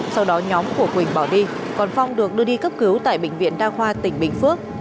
sau đó nhóm của quỳnh bỏ đi còn phong được đưa đi cấp cứu tại bệnh viện đa khoa tỉnh bình phước